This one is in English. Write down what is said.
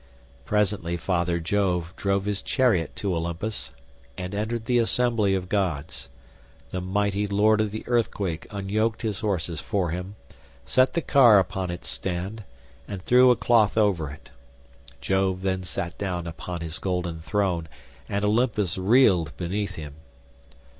Presently father Jove drove his chariot to Olympus, and entered the assembly of gods. The mighty lord of the earthquake unyoked his horses for him, set the car upon its stand, and threw a cloth over it. Jove then sat down upon his golden throne and Olympus reeled beneath him.